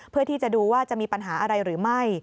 เพื่อที่จะดูว่าจะมีปัญหาอะไรหรือไม่